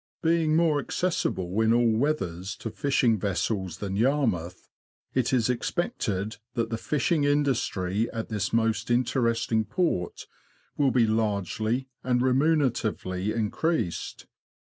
Being more accessible in all weathers to fishing vessels than Yarmouth, it is ex pected that the fishing industry at this most interesting port will be largely and remuneratively increased.